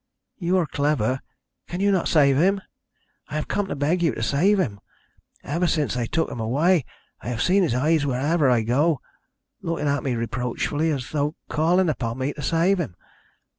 You are clever, can you not save him? I have come to beg you to save him. Ever since they took him away I have seen his eyes wherever I go, looking at me reproachfully, as though calling upon me to save him.